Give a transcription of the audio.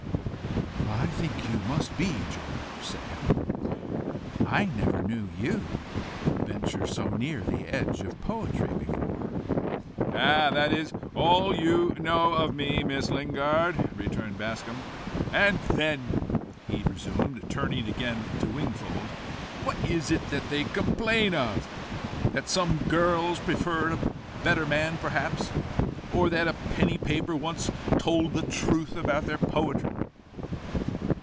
"I think you must be, George," said Helen. "I never knew you venture so near the edge of poetry before." "Ah, that is all you know of me, Miss Lingard!" returned Bascombe. " And then," he resumed, turning again to Wingfold, "what is it they complain of? That some girls preferred a better man perhaps, or that a penny paper once told the truth of their poetry."